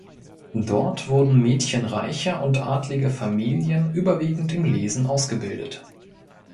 Dort wurden Mädchen reicher und adliger Familien überwiegend im Lesen ausgebildet.